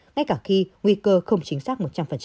ngay cả khi nguy cơ không chính xác một trăm linh